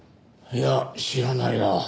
いや知らないなあ。